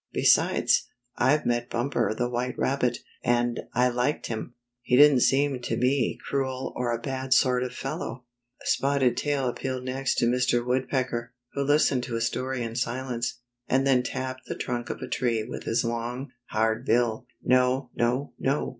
Besides, I've met Bumper the White Rabbit, and I liked him. He didn't seem to me cruel or a bad sort of feUow." Spotted Tail Stirs up Revolt Spotted Tail appealed next to Mr. Wood pecker, who listened to his story in silence, and then tapped the trunk of a tree with his long, hard bill. ''No, no, no!